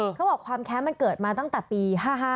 คำว่าความแค้นมันเกิดมาปี๑๙๙๕